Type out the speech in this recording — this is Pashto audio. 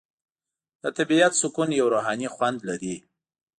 د طبیعت سکون یو روحاني خوند لري.